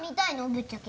ぶっちゃけ。